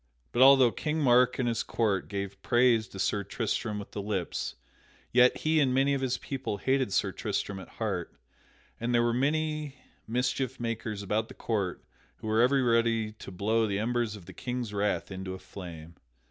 But although King Mark and his court gave praise to Sir Tristram with the lips, yet he and many of his people hated Sir Tristram at heart, and there were many mischief makers about the court who were ever ready to blow the embers of the King's wrath into a flame.